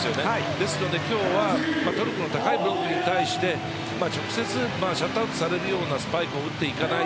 ですので今日はトルコの高いブロックに対して直接シャットアウトされるようなスパイクを打っていかない。